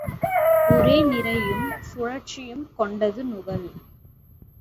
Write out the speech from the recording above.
ஒரே நிறையும் சுழற்சியும் கொண்ட துகள்.